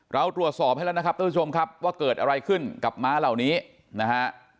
เราตรวจสอบให้แล้วนะครับท่านผู้ชมครับว่าเกิดอะไรขึ้นกับม้าเหล่านี้นะฮะ